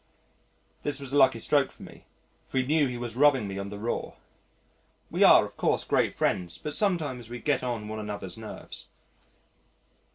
This was a lucky stroke for me, for he knew he was rubbing me on the raw. We are, of course, great friends, but sometimes we get on one another's nerves.